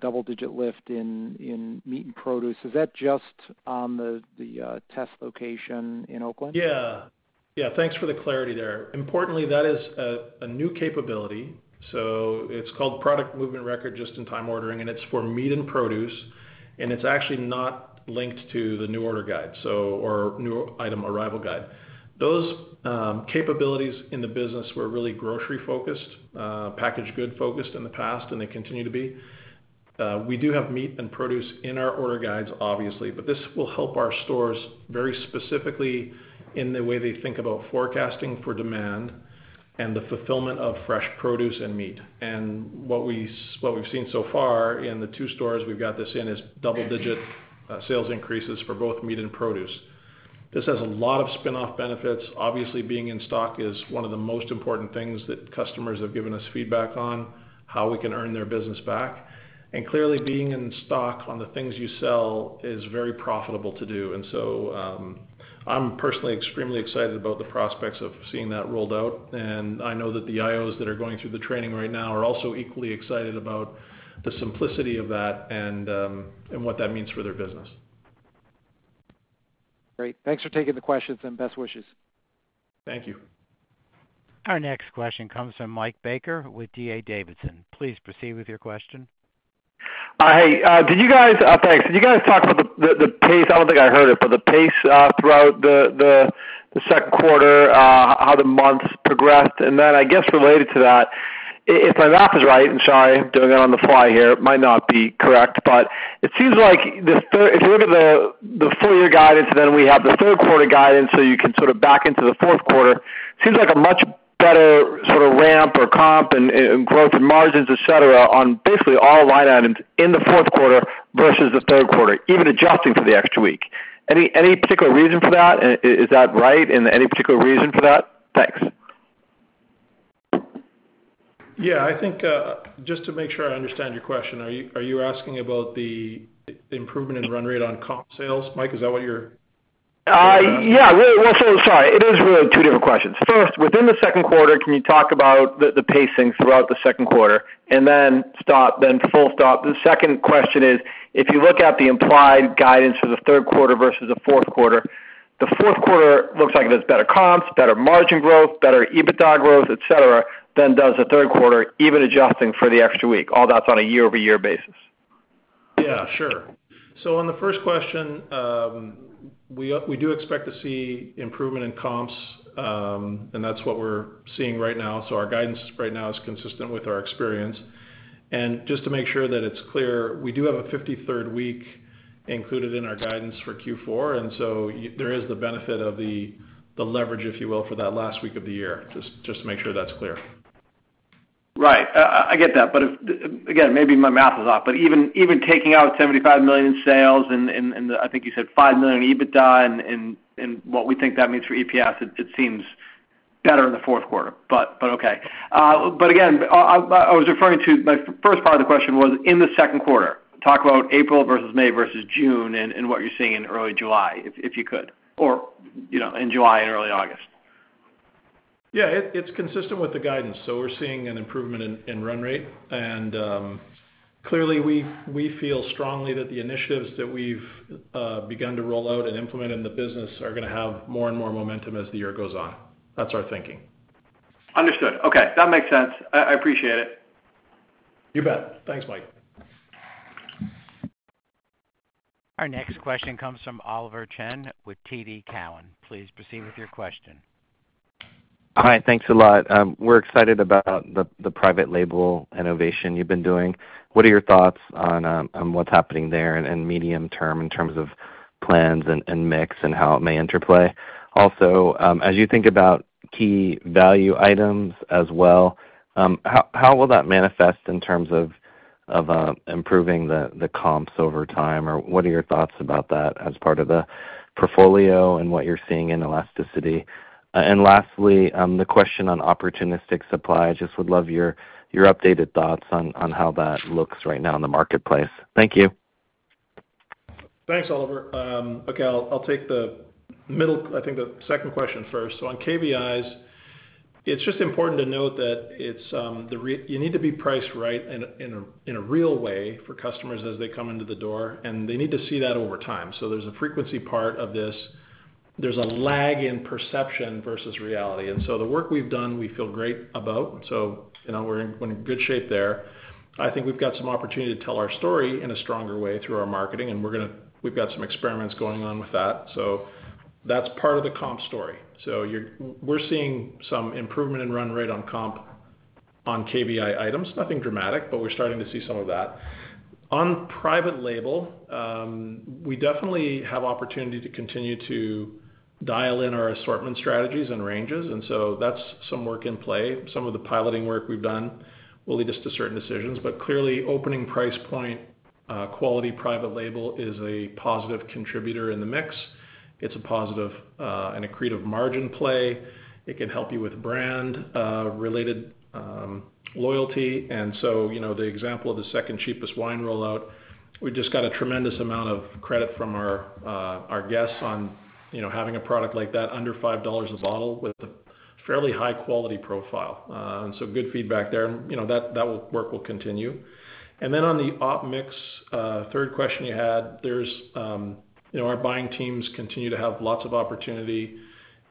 double-digit lift in meat and produce. Is that just on the test location in Oakland, California? Yeah, yeah. Thanks for the clarity there. Importantly, that is a new capability. It's called product movement record. Just in time ordering, and it's for meat and produce, and it's actually not linked to the new order guide or new item Arrival Guide. Those capabilities in the business were really grocery focused, packaged good focused in the past, and they continue to be. We do have meat and produce in our order guides, obviously, but this will help our stores very specifically in the way they think about forecasting for demand and the fulfillment of fresh produce and meat. What we've seen so far in the two stores we've got this in is double digit sales increases for both meat and produce. This has a lot of spinoff benefits. Obviously, being in stock is one of the most important things that customers have given us feedback on, how we can earn their business back. Clearly, being in stock on the things you sell is very profitable to do. I'm personally extremely excited about the prospects of seeing that rolled out. I know that the IOs that are going through the training right now are also equally excited about the simplicity of that and what that means for their business. Great. Thanks for taking the questions and best wishes. Thank you. Our next question comes from Michael Baker with D.A. Davidson. Please proceed with your question. Thanks. Did you guys talk about the pace? I don't think I heard it the pace throughout the second quarter. How the months progressed, and then I guess related to that, if my math is right, and sorry, doing it on the fly here might not be correct but it seems like the third, if you look at the full year guidance, then we have the third quarter guidance, so you can sort of back into the fourth quarter seems like a much better sort of ramp or comp and growth in margins, etc., on basically all line items in the fourth quarter versus the third quarter, even adjusting for the next week. Any particular reason for that? Is that right? Any particular reason for that? Thanks. Yeah, I think just to make sure I understand your question, are you asking about the improvement in run rate on comp sales? Mike, is that what you're. Yeah, sorry. It is really two different questions. First, within the second quarter, can you talk about the pacing throughout the second. And then quarter and then stop. The second question is, if you look at the implied guidance for the third quarter versus the fourth quarter, the fourth quarter looks like it has better comps, better margin growth, better EBITDA growth, et cetera, than does the third quarter, even adjusting for the extra week all that's on a year-over-year basis. Yeah, sure. On the first question, we do expect to see improvement in comps and that's what we're seeing right now. Our guidance right now is consistent with our experience. Just to make sure that it's clear, we do have a 53rd week included in our guidance for Q4, and there is the benefit of the leverage, if you will, for that last week of the year, just to make sure that's clear. Right, I get that, but again, maybe my math is off, but even taking out $75 million in sales and I think you said $5 million EBITDA and what we think that means for EPS, it seems better in the fourth quarter. Okay, but again, I was referring to, my first part of the question was in the second quarter, talk about April versus May versus June and what you're seeing in early July, if you could or, you know, in July and early August. Yeah, it's consistent with the guidance. We're seeing an improvement in run rate, and we feel strongly that the initiatives that we've begun to roll out and implement in the business are going to have more and more momentum as the year goes on. That's our thinking. Understood. Okay, that makes sense. I appreciate it. You bet. Thanks, Mike. Our next question comes from Oliver Chen with TD Cowen. Please proceed with your question. Hi. Thanks a lot. We're excited about the private label innovation you've been doing. What are your thoughts on what's happening there and medium term in terms of plans and mix and how it may interplay? Also, as you think about key value items as well, how will that manifest in terms of improving the comps over time or what are your thoughts about that as part of the portfolio and what you're seeing in elasticity. Lastly, the question on opportunistic supply. I just would love your updated thoughts on how that looks right now in the marketplace. Thank you. Thanks, Oliver. Okay, I'll take the middle. I think the second question first. On KVIs, it's just important to note that you need to be priced right in a real way for customers as they come into the door and they need to see that over time. There's a frequency part of this. There's a lag in perception versus reality. The work we've done we feel great about. We're in good shape there. I think we've got some opportunity to tell our story in a stronger way through our marketing and we're going to, we've got some experiments going on with that. That's part of the comp story. We're seeing some improvement in run rate on comp, on KVI items. Nothing dramatic, but we're starting to see some of that on private label. We definitely have opportunity to continue to dial in our assortment strategies and ranges. That's some work in play. Some of the piloting work we've done will lead us to certain decisions. Clearly, opening price point quality private label is a positive contributor in the mix. It's a positive and accretive margin play. It can help you with brand related loyalty. The example of the Second Cheapest Wine rollout, we just got a tremendous amount of credit from our guests on having a product like that under $5 a bottle with a fairly high quality profile. Good feedback there and that work will continue. On the OP mix, third question you had, our buying teams continue to have lots of opportunity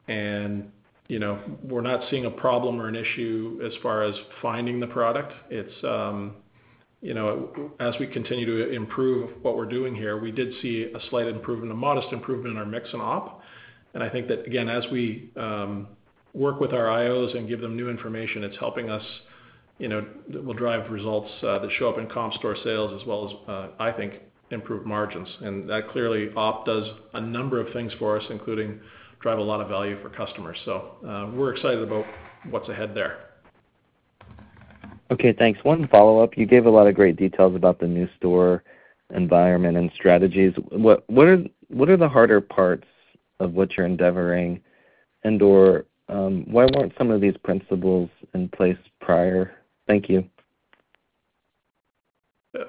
and we're not seeing a problem or an issue as far as finding the product. As we continue to improve what we're doing here, we did see a slight improvement, a modest improvement in our mix and op. I think that again, as we work with our IOs and give them new information, it's helping us, will drive results that show up in comp store sales as well as I think improve margins and that clearly OP does a number of things for us, including drive a lot of value for customers. We're excited about what's ahead there. Okay, thanks. One follow-up, you gave a lot of great details about the new store environment and strategies. What are the harder parts of what you're endeavoring and or why weren't some of these principles in place prior? Thank you.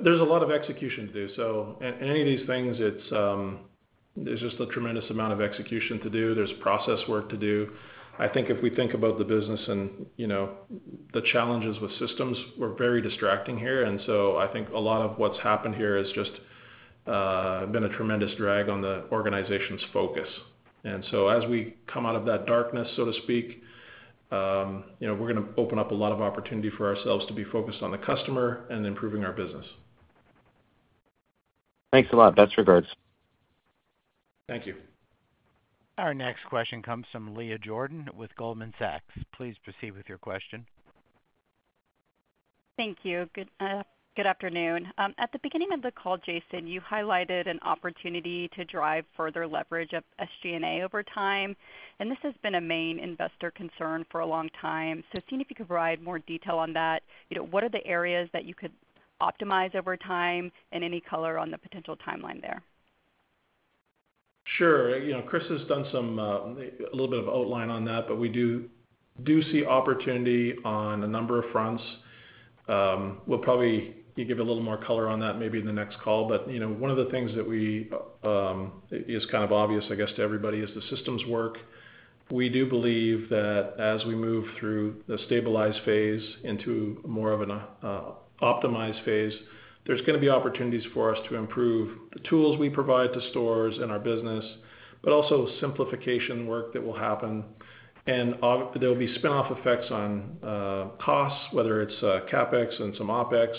There's a lot of execution to do, so any of these things, there's just a tremendous amount of execution to do. There's process work to do. I think if we think about the business and the challenges with systems were very distracting here. I think a lot of what's happened here has just been a tremendous drag on the organization's focus. As we come out of that darkness, so to speak, we're going to open up a lot of opportunity for ourselves to be focused on the customer and improving our business. Thanks a lot. Best regards. Thank you. Our next question comes from Leah Jordan with Goldman Sachs Group. Please proceed with your question. Thank you. Good afternoon. At the beginning of the call, Jason, you highlighted an opportunity to drive further leverage of SG&A over time. This has been a main investor concern for a long time. Seeing if you could provide more detail on that, what are the areas that you could optimize over time and any color on the potential timeline there. Sure, Chris has done a little bit of outline on that, but we do see opportunity on a number of fronts. We'll probably give a little more color on that maybe in the next call. One of the things that is kind of obvious, I guess to everybody, is the systems work. We do believe that as we move through the stabilize phase into more of an optimized phase, there's going to be opportunities for us to improve the tools we provide to stores and our business, but also simplification work that will happen, and there'll be spinoff effects on costs. Whether it's CapEx and some OpEx,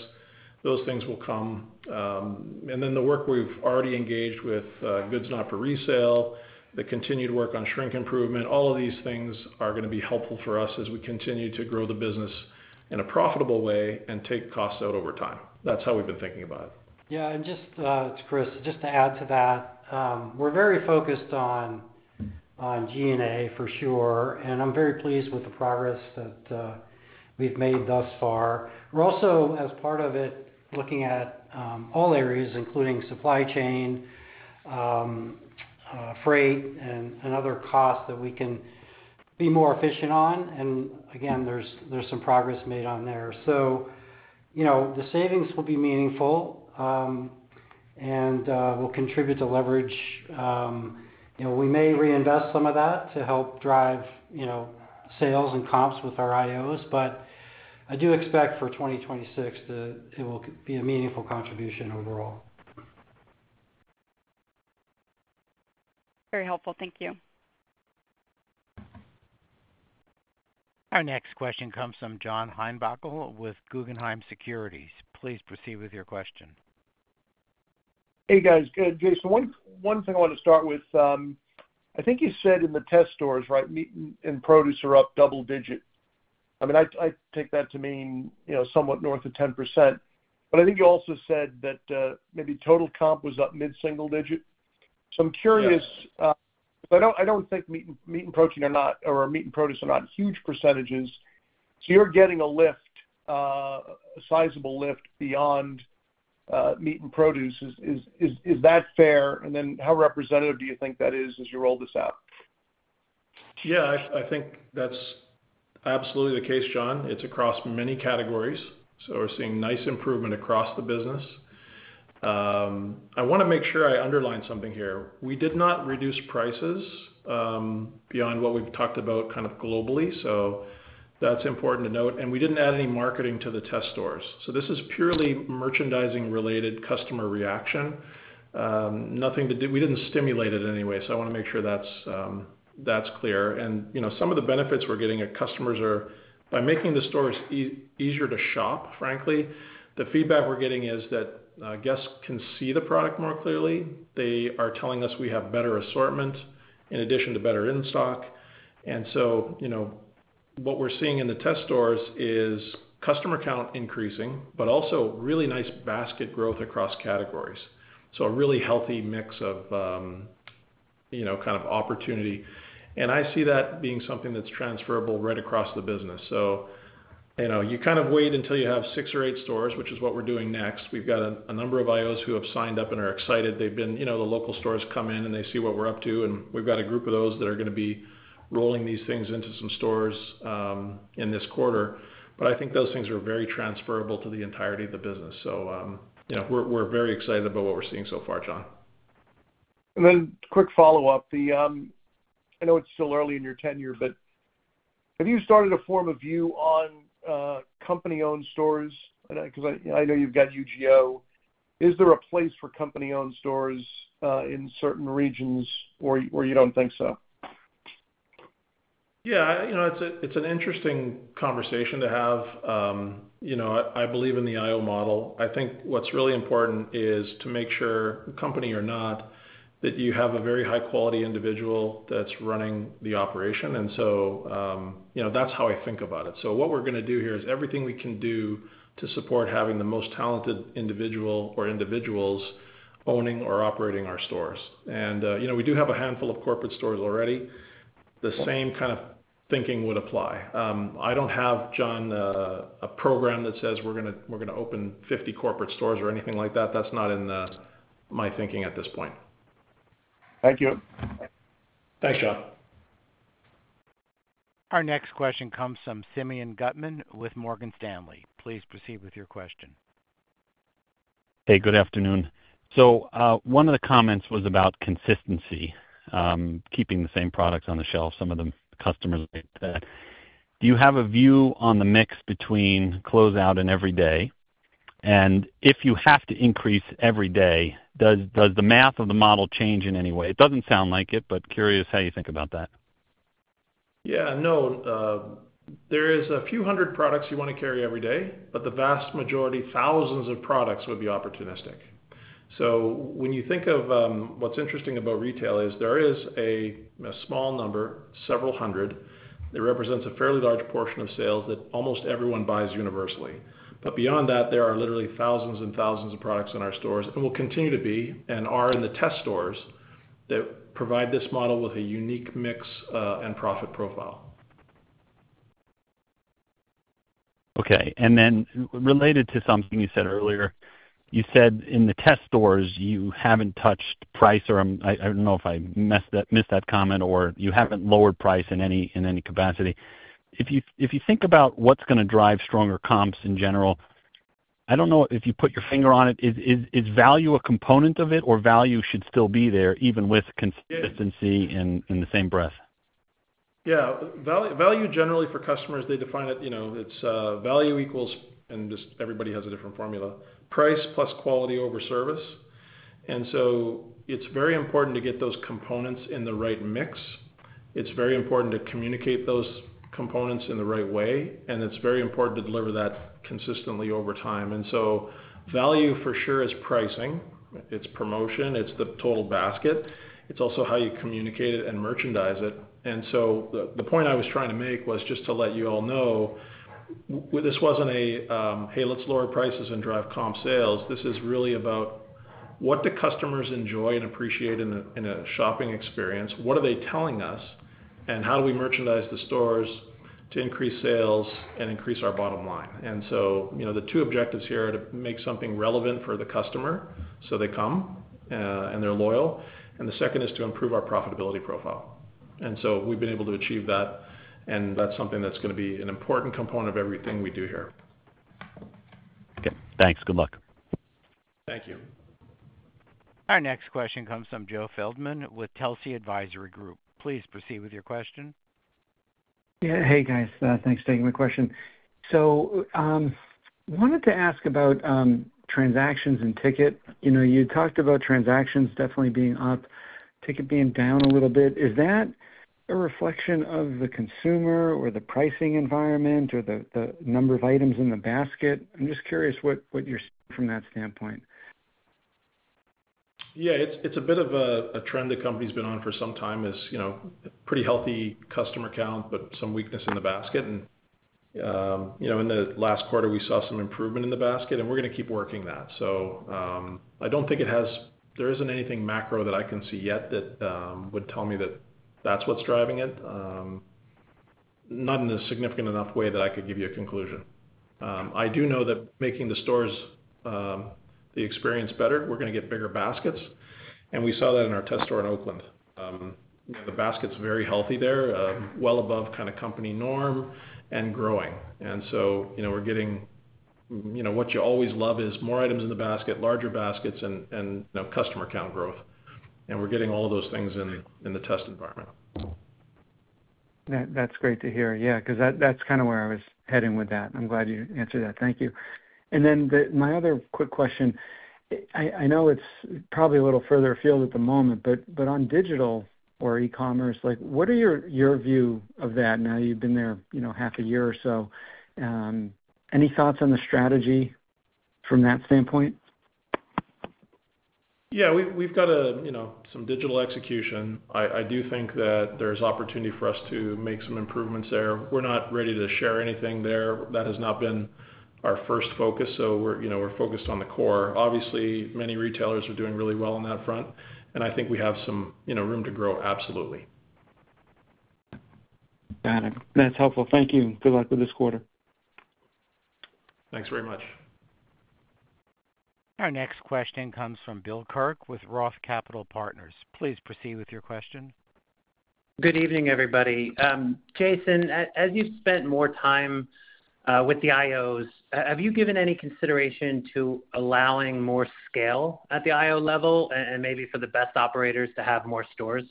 those things will come. And then the work we've already engaged with, goods not for resale, the continued work on shrink improvement, all of these things are going to be helpful for us as we continue to grow the business in a profitable way and take costs out over time. That's how we've been thinking about it. Yeah. It's Chris, just to add to that, we're very focused on SG&A for sure, and I'm very pleased with the progress that's been made thus far. We're also, as part of it, looking at all areas, including supply chain, freight, and other costs that we can be more efficient on. There's some progress made on there. The savings will be meaningful and will contribute to leverage. We may reinvest some of that to help drive sales and comps with our independent operators, but I do expect for 2026 that it will be a meaningful contribution overall. Very helpful. Thank you. Our next question comes from John Heinbockel with Guggenheim Securities. Please proceed with your question. Hey, guys. Good. Jason, one thing I want to start with I think you said in the test stores, right, meat and produce are up double digit. I mean, I take that to mean, you know, somewhat north of 10%. I think you also said that maybe total comp was up mid single digit. I'm curious. I don't think meat and protein are not, or meat and produce are not huge percentages. You're getting a lift, a sizable lift beyond meat and produce. Is that fair? How representative do you think that is as you roll this out? Yeah, I think that's absolutely the case, John. It's across many categories. We're seeing nice improvement across the business. I want to make sure I underline something here. We did not reduce prices beyond what we've talked about globally. That's important to note. We didn't add any marketing to the test stores. This is purely merchandising-related customer reaction, nothing to do with anything else. We didn't stimulate it in any way. I want to make sure that's clear. Some of the benefits we're getting at customers are by making the stores easier to shop. Frankly, the feedback we're getting is that guests can see the product more clearly. They are telling us we have better assortment in addition to better in stock. And so what we're seeing in the test stores is customer count increasing, but also really nice basket growth across categories. It's a really healthy mix of opportunity. I see that being something that's transferable right across the business. You kind of wait until you have six or eight stores, which is what we're doing next. We've got a number of independent operators who have signed up and are excited. The local stores come in and they see what we're up to, and we've got a group of those that are going to be rolling these things into some stores in this quarter. I think those things are very transferable to the entirety of the business. We're very excited about what we're seeing so far, John. And then quick follow up, the I know it's still early in your tenure but have you started to form a view on company owned stores? I know you've got UGO. Is there a place for company owned stores in certain regions or you don't think so? Yeah, it's an interesting conversation to have. I believe in the IO model. I think what's really important is to make sure, company or not, that you have a very high quality individual that's running the operation. That's how I think about it. What we're going to do here is everything we can do to support having the most talented individual or individuals owning or operating our stores. We do have a handful of corporate stores already. The same kind of thinking would apply. I don't have, John, a program that says we're going to open 50 corporate stores or anything like that. That's not in my thinking at this point. Thank you. Thanks, John. Our next question comes from Simeon Gutman with Morgan Stanley. Please proceed with your question. Hey, good afternoon. So one of the comments was about consistency, keeping the same products on the shelf, some of them customers. You have a view on the mix between closeout and every day, and if you have to increase every day, does the math of the model change in any way? It doesn't sound like it, but curious how you think about that. Yeah, no. There is a few hundred products you want to carry every day, but the vast majority, thousands of products, would be opportunistic. When you think of what's interesting about retail, there is a small number, several hundred, that represents a fairly large portion of sales that almost everyone buys universally. Beyond that, there are literally thousands and thousands of products in our stores and will continue to be and are in the test stores that provide this model with a unique mix and profit profile. Okay. Related to something you said earlier, you said in the test stores you haven't touched price, or I don't know if I missed that comment or you haven't lowered price in any capacity. If you think about what's going to drive stronger comps in general. I don't know if you put your finger on it. Is value a component of it, or value should still be there even with consistency in the same breath? Yeah, value generally for customers, they define it, you know, it's value equals and just everybody has a different formula, price plus quality over service. It's very important to get those components in the right mix. It's very important to communicate those components in the right way. It's very important to deliver that consistently over time. Value for sure is pricing, it's promotion, it's the total basket. It's also how you communicate it and merchandise it. The point I was trying to make was just to let you all know this wasn't a, hey, let's lower prices and drive comp sales. This is really about what the customers enjoy and appreciate in a shopping experience. What are they telling us and how do we merchandise the stores to increase sales and increase our bottom line? And so, you know, the two objectives here are to make something relevant for the customer so they come and they're loyal. The second is to improve our profitability profile. We've been able to achieve that. That's something that's going to be an important component of everything we do here. Okay, thanks. Good luck. Thank you. Our next question comes from Joe Feldman with Telsey Advisory Group. Please proceed with your question. Hey, guys, thanks for taking my question. I wanted to ask about transactions and ticket. You talked about transactions definitely being up, ticket being down a little bit. Is that a reflection of the consumer or the pricing environment or the number of items in the basket? I'm just curious what you're seeing from that standpoint. Yeah, it's a bit of a trend the company's been on for some time, you know, pretty healthy customer count, but some weakness in the basket. In the last quarter we saw some improvement in the basket and we're going to keep working that. I don't think it has. There isn't anything macro that I can see yet that would tell me that that's what's driving it, not in a significant enough way that I could give you a conclusion. I do know that making the stores, the experience better, we're going to get bigger baskets. We saw that in our test store in Oakland, California. The basket's very healthy there, well above kind of company norm and growing, and we're getting, you know, what you always love is more items in the basket, larger baskets, and now customer count growth, and we're getting all of those things in the test environment. That's great to hear. Yeah, that's kind of where I was heading with that. I'm glad you answered that. Thank you. My other quick question, I know it's probably a little further afield at the moment, but on digital or E-commerce, what are your view of that now? You've been there half a year or so. Any thoughts on the strategy from that standpoint? Yeah, we've got some digital execution. I do think that there's opportunity for us to make some improvements there. We're not ready to share anything there. That has not been our first focus. We're focused on the core. Obviously, many retailers are doing really well on that front, and I think we have some room to grow. Absolutely. Got it. That's helpful. Thank you. Good luck with this quarter. Thanks very much. Our next question comes from Bill Kirk with Roth Capital Partners. Please proceed with your question. Good evening, everybody. Jason, as you've spent more time with the IOs, have you given any consideration to allowing more scale at the IO level and maybe for the best operators to have more stores?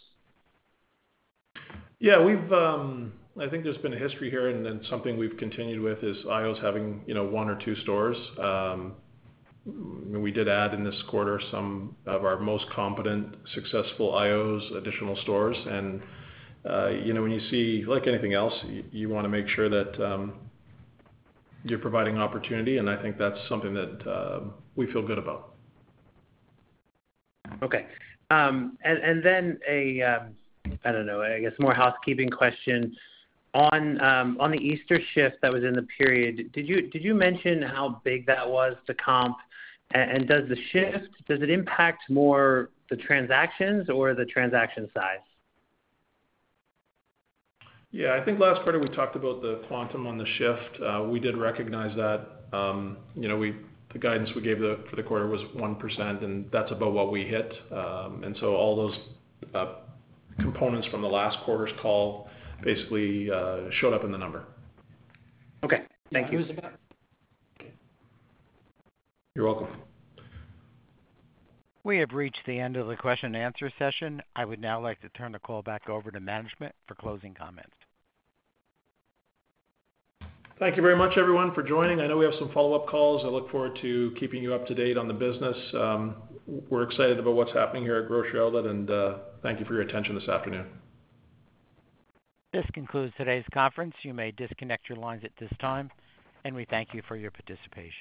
Yeah, I think there's been a history here, and that's something we've continued with, is independent operators having, you know, one or two stores. We did add in this quarter some of our most competent, successful independent operators' additional stores. You know, when you see, like anything else, you want to make sure that you're providing opportunity, and I think that's something that we feel good about. Okay. And then I guess more housekeeping question on the Easter shift that was in the period. Did you mention how big that was to comp and does the shift, does it impact more the transactions or the transaction size? Yeah, I think last quarter we talked about the quantum on the shift. We did recognize that, you know, the guidance we gave for the quarter was 1% and that's about what we hit. All those components from the last quarter's call basically showed up in the number. Okay, thank you. You're welcome. We have reached the end of the question and answer session. I would now like to turn the call back over to management for closing comments. Thank you very much everyone for joining. I know we have some follow up calls. I look forward to keeping you up to date on the business. We're excited about what's happening here at Grocery Outlet, and thank you for your attention this afternoon. This concludes today's conference. You may disconnect your lines at this time. And we thank you for your participation.